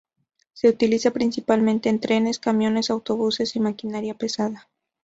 Se utiliza principalmente en trenes, camiones, autobuses y maquinaria pesada.